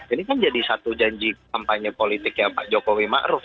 ini kan jadi satu janji kampanye politik ya pak jokowi ma'ruf